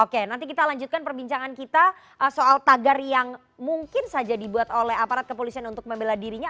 oke nanti kita lanjutkan perbincangan kita soal tagar yang mungkin saja dibuat oleh aparat kepolisian untuk membela dirinya